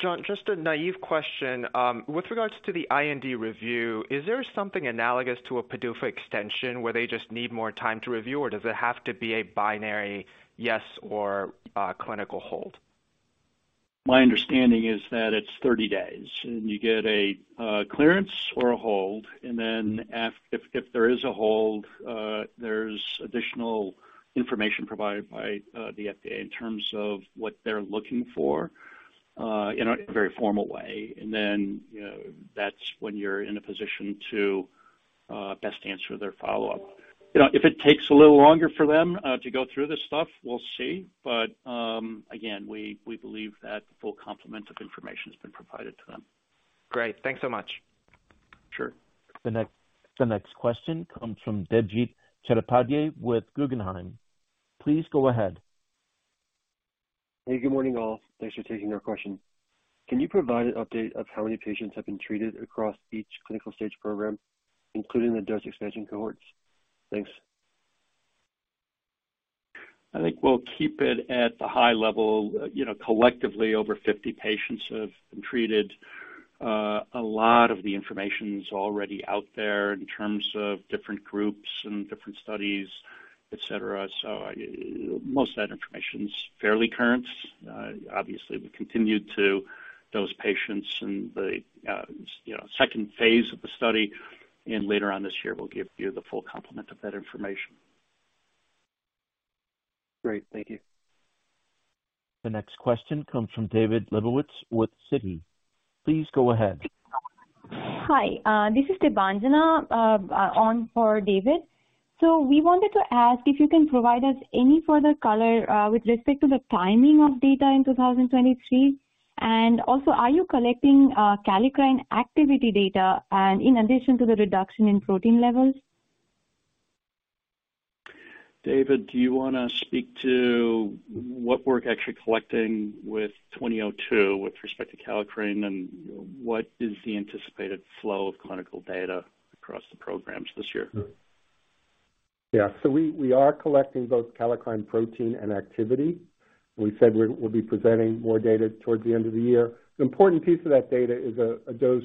John, just a naive question. With regards to the IND review, is there something analogous to a PDUFA extension where they just need more time to review, or does it have to be a binary yes or a clinical hold? My understanding is that it's 30 days, and you get a clearance or a hold, then if there is a hold, there's additional information provided by the FDA in terms of what they're looking for in a very formal way. Then, you know, that's when you're in a position to best answer their follow-up. You know, if it takes a little longer for them to go through this stuff, we'll see. Again, we believe that full complement of information has been provided to them. Great. Thanks so much. Sure. The next question comes from Debjit Chattopadhyay with Guggenheim. Please go ahead. Hey, good morning, all. Thanks for taking our question. Can you provide an update of how many patients have been treated across each clinical stage program, including the dose expansion cohorts? Thanks. I think we'll keep it at the high level. You know, collectively over 50 patients have been treated. A lot of the information is already out there in terms of different groups and different studies, et cetera. Most of that information is fairly current. Obviously, we continue to dose patients in the, you know, second phase of the study, and later on this year, we'll give you the full complement of that information. Great. Thank you. The next question comes from David Lebowitz with Citi. Please go ahead. Hi. This is Debanjana, on for David. We wanted to ask if you can provide us any further color with respect to the timing of data in 2023. Are you collecting kallikrein activity data in addition to the reduction in protein levels? David, do you wanna speak to what we're actually collecting with NTLA-2002 with respect to kallikrein and what is the anticipated flow of clinical data across the programs this year? Yeah. We are collecting both kallikrein protein and activity. We said we'll be presenting more data towards the end of the year. The important piece of that data is a dose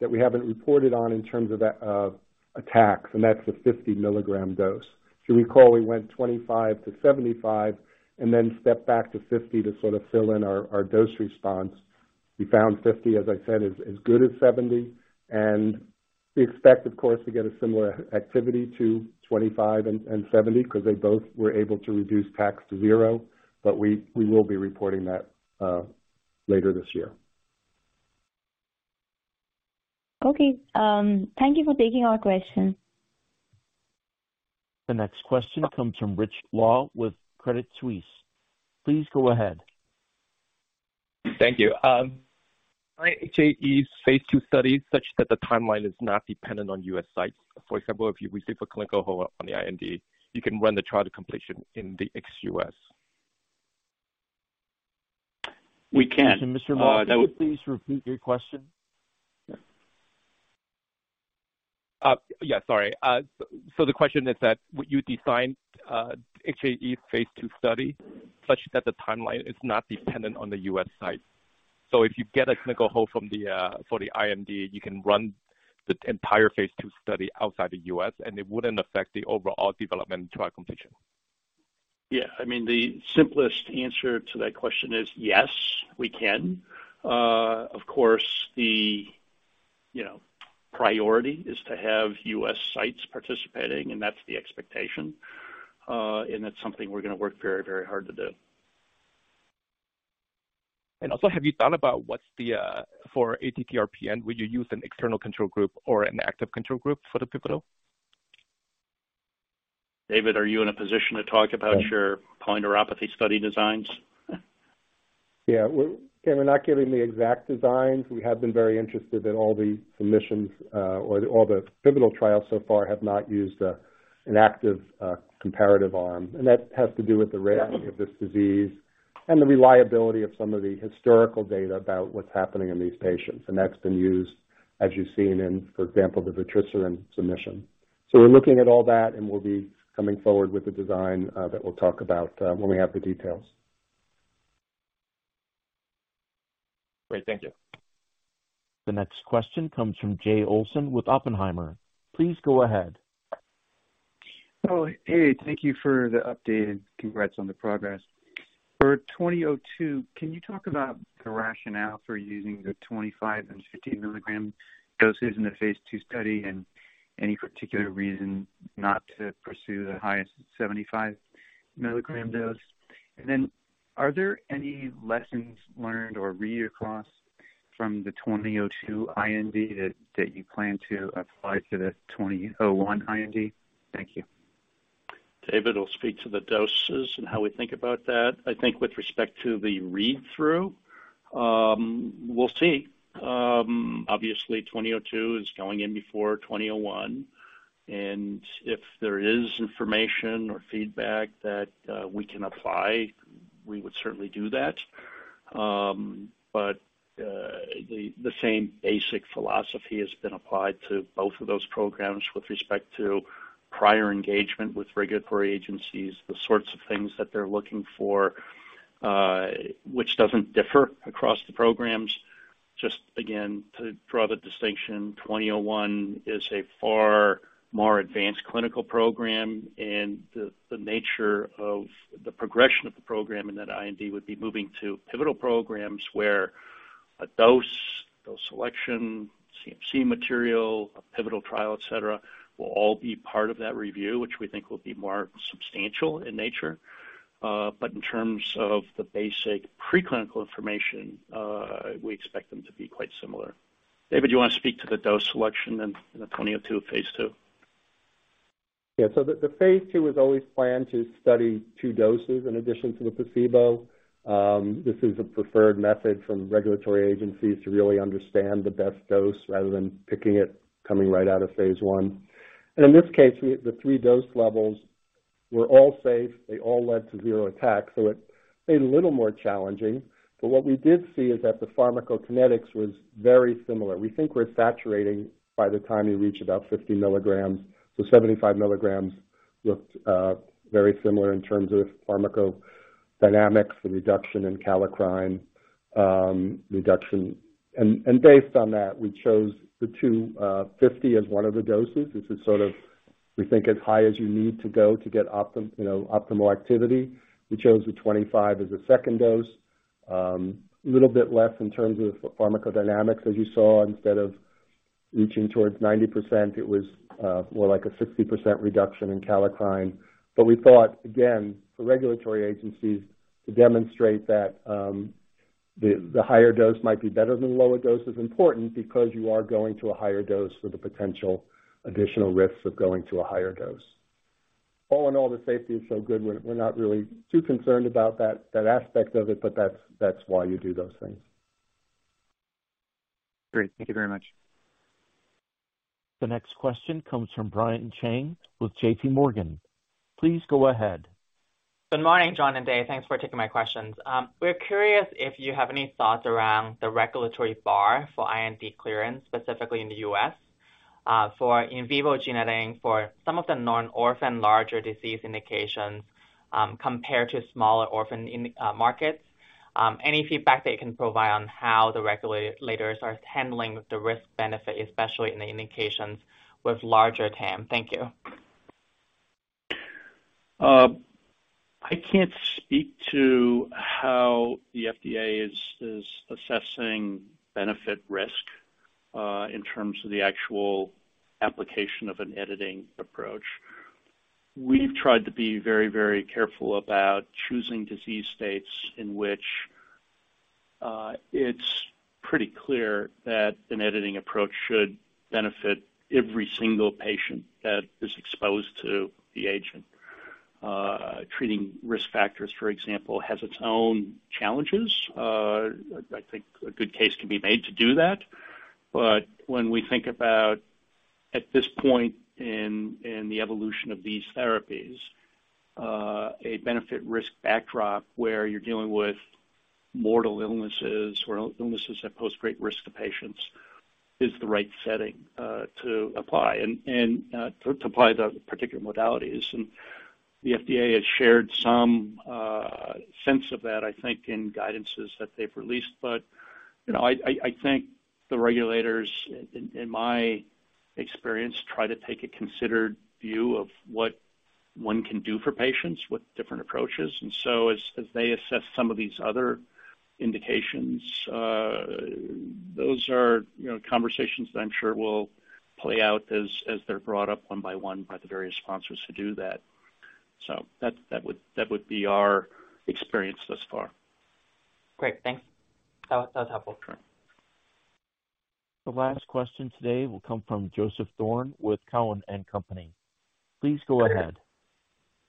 that we haven't reported on in terms of attacks, and that's a 50-milligram dose. If you recall, we went 25 to 75 and then stepped back to 50 to sort of fill in our dose response. We found 50, as I said, is good as 70. We expect, of course, to get a similar activity to 25 and 70 because they both were able to reduce attacks to 0. We will be reporting that later this year. Thank you for taking our question. The next question comes from Richard Law with Credit Suisse. Please go ahead. Thank you. Are HAE's phase II studies such that the timeline is not dependent on U.S. sites? For example, if you receive a clinical hold on the IND, you can run the trial to completion in the ex-U.S. We can. Mr. Law, could you please repeat your question? Yeah, sorry. The question is that, would you design HAE phase II study such that the timeline is not dependent on the US site? If you get a clinical hold from the for the IND, you can run the entire phase II study outside the US, and it wouldn't affect the overall development trial completion. Yeah. I mean, the simplest answer to that question is yes, we can. Of course, the, you know, priority is to have U.S. sites participating, and that's the expectation, and that's something we're gonna work very, very hard to do. Also, have you thought about what's the for ATTR-PN, would you use an external control group or an active control group for the pivotal? David, are you in a position to talk about your polyneuropathy study designs? Yeah. Again, we're not giving the exact designs. We have been very interested in all the submissions, or all the pivotal trials so far have not used a, an active, comparative arm, and that has to do with the rarity of this disease and the reliability of some of the historical data about what's happening in these patients. And that's been used, as you've seen in, for example, the vutrisiran submission. We're looking at all that, and we'll be coming forward with a design, that we'll talk about, when we have the details. Great. Thank you. The next question comes from Jay Olson with Oppenheimer. Please go ahead. Oh, hey, thank you for the update and congrats on the progress. For 2002, can you talk about the rationale for using the 25 and 15 milligram doses in the phase II study and any particular reason not to pursue the highest 75 milligram dose? Are there any lessons learned or read-across from the 2002 IND that you plan to apply to the 2001 IND? Thank you. David will speak to the doses and how we think about that. I think with respect to the read-through, we'll see. Obviously, NTLA-2002 is going in before NTLA-2001, and if there is information or feedback that we can apply, we would certainly do that. The same basic philosophy has been applied to both of those programs with respect to prior engagement with regulatory agencies, the sorts of things that they're looking for, which doesn't differ across the programs. Just again, to draw the distinction, NTLA-2001 is a far more advanced clinical program, and the nature of the progression of the program in that IND would be moving to pivotal programs where a dose selection, CMC material, a pivotal trial, et cetera, will all be part of that review, which we think will be more substantial in nature. In terms of the basic preclinical information, we expect them to be quite similar. David, do you wanna speak to the dose selection in the NTLA-2002 phase II? Yeah. The phase II was always planned to study two doses in addition to the placebo. This is a preferred method from regulatory agencies to really understand the best dose rather than picking it coming right out of phase I. In this case, the three dose levels were all safe. They all led to 0 attacks, it made it a little more challenging. What we did see is that the pharmacokinetics was very similar. We think we're saturating by the time you reach about 50 milligrams. 75 milligrams looked very similar in terms of pharmacodynamics, the reduction in kallikrein, reduction... Based on that, we chose the two, 50 as one of the doses, which is sort of, we think, as high as you need to go to get, you know, optimal activity. We chose the 25 as a second dose. A little bit less in terms of pharmacodynamics, as you saw. Instead of reaching towards 90%, it was more like a 60% reduction in kallikrein. We thought, again, for regulatory agencies to demonstrate that the higher dose might be better than lower dose is important because you are going to a higher dose for the potential additional risks of going to a higher dose. All in all, the safety is so good, we're not really too concerned about that aspect of it, but that's why you do those things. Great. Thank you very much. The next question comes from Brian Cheng with JP Morgan. Please go ahead. Good morning, John and Dave. Thanks for taking my questions. We're curious if you have any thoughts around the regulatory bar for IND clearance, specifically in the U.S., for in vivo gene editing for some of the non-orphan larger disease indications, compared to smaller orphan in markets. Any feedback that you can provide on how the regulators are handling the risk-benefit, especially in the indications with larger TAM? Thank you. I can't speak to how the FDA is assessing benefit risk in terms of the actual application of an editing approach. We've tried to be very, very careful about choosing disease states in which it's pretty clear that an editing approach should benefit every single patient that is exposed to the agent. Treating risk factors, for example, has its own challenges. I think a good case can be made to do that. When we think about, at this point in the evolution of these therapies, a benefit risk backdrop where you're dealing with mortal illnesses or illnesses that pose great risk to patients is the right setting to apply and to apply the particular modalities. The FDA has shared some sense of that, I think, in guidances that they've released. You know, I think the regulators, in my experience, try to take a considered view of what one can do for patients with different approaches. As they assess some of these other indications, those are, you know, conversations that I'm sure will play out as they're brought up one by one by the various sponsors who do that. That would be our experience thus far. Great. Thanks. That was helpful. Sure. The last question today will come from Joseph Thome with Cowen and Company. Please go ahead.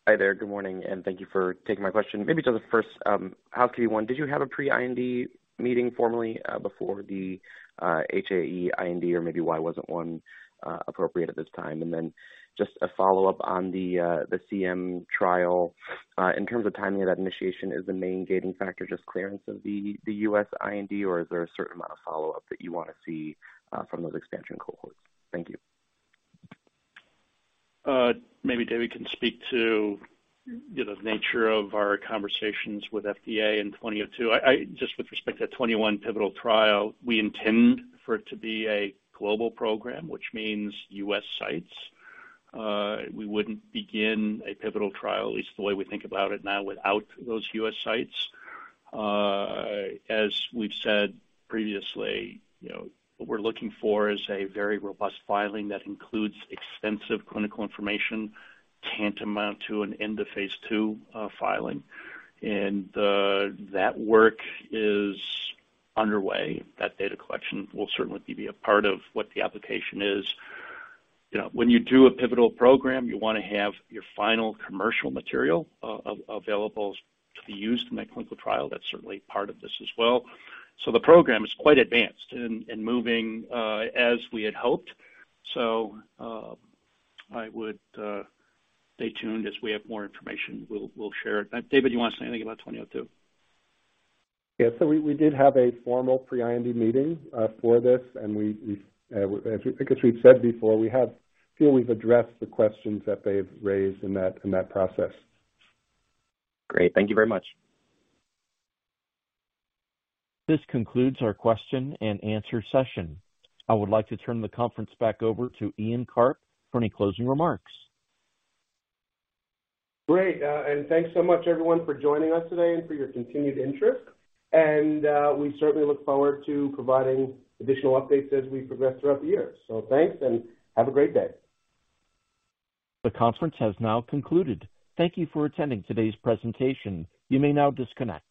Hi there. Good morning. Thank you for taking my question. Maybe just the first, give me one. Did you have a pre-IND meeting formally, before the HAE IND or maybe why wasn't one appropriate at this time? Just a follow-up on the CM trial. In terms of timing of that initiation, is the main gating factor just clearance of the U.S. IND, or is there a certain amount of follow-up that you wanna see from those expansion cohorts? Thank you. Maybe David can speak to, you know, the nature of our conversations with FDA in 2002. I just with respect to that 21 pivotal trial, we intend for it to be a global program, which means U.S. sites. We wouldn't begin a pivotal trial, at least the way we think about it now, without those U.S. sites. As we've said previously, you know, what we're looking for is a very robust filing that includes extensive clinical information tantamount to an end of phase II filing. That work is underway. That data collection will certainly be a part of what the application is. You know, when you do a pivotal program, you wanna have your final commercial material available to be used in that clinical trial. That's certainly part of this as well. The program is quite advanced and moving as we had hoped. Stay tuned. As we have more information, we'll share it. David, you want to say anything about 2002? Yeah. We did have a formal pre-IND meeting, for this. We've, because we've said before, we have feel we've addressed the questions that they've raised in that process. Great. Thank you very much. This concludes our question and answer session. I would like to turn the conference back over to Ian Karp for any closing remarks. Great. Thanks so much, everyone, for joining us today and for your continued interest. We certainly look forward to providing additional updates as we progress throughout the year. Thanks, and have a great day. The conference has now concluded. Thank you for attending today's presentation. You may now disconnect.